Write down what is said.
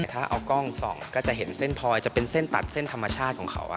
ถ้าเอากล้องส่องก็จะเห็นเส้นพลอยจะเป็นเส้นตัดเส้นธรรมชาติของเขา